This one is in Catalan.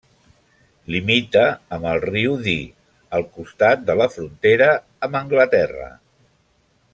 Limita amb el riu Dee, al costat de la frontera amb Anglaterra.